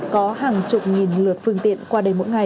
có hàng chục nghìn lượt phương tiện qua đây mỗi ngày